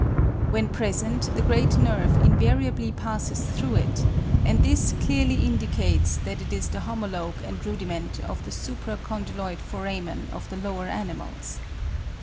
When present, the great nerve invariably passes through it; and this clearly indicates that it is the homologue and rudiment of the supra condyloid foramen of the lower animals.